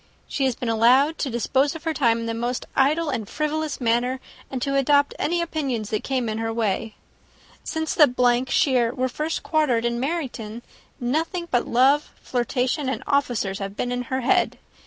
She has been allowed to dispose of her time in the most idle and frivolous manner, and to adopt any opinions that came in her way. Since the shire were first quartered in Meryton, nothing but love, flirtation, and officers, have been in her head.